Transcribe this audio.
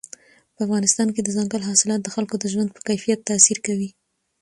په افغانستان کې دځنګل حاصلات د خلکو د ژوند په کیفیت تاثیر کوي.